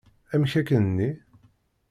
Amek akken-nni?